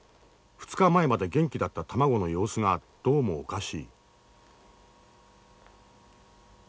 ２日前まで元気だった卵の様子がどうもおかしい。